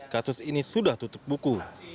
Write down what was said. kasus ini sudah tutup buku